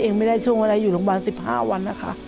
เองไม่ได้ช่วงวันอะไรอยู่โรงพยาบาล๑๕วัน